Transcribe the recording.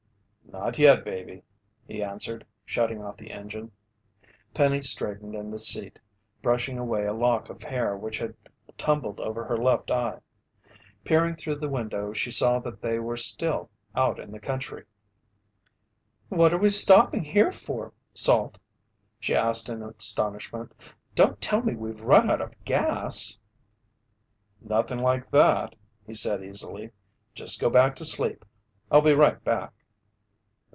"Not yet, baby," he answered, shutting off the engine. Penny straightened in the seat, brushing away a lock of hair which had tumbled over her left eye. Peering through the window she saw that they still were out in the country. "What are we stopping here for, Salt?" she asked in astonishment. "Don't tell me we've run out of gas!" "Nothing like that," he said easily. "Just go back to sleep. I'll be right back."